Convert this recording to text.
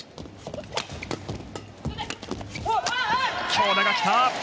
強打が来た！